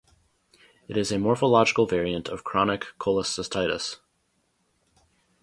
It is a morphological variant of chronic cholecystitis.